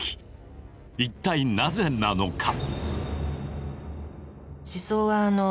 一体なぜなのか！